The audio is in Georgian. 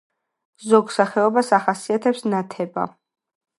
ზოგ სახეობას ახასიათებს ნათება.